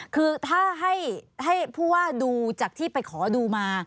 คือถ้าให้ผู้ว่าดูจากที่ไปขอดูมา